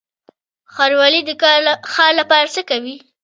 ښاروالي د ښار لپاره څه کوي؟